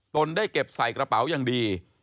ตนได้เก็บใส่กระเป๋าอย่างดี